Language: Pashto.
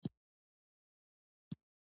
افغانستان د لوگر د ترویج لپاره پروګرامونه لري.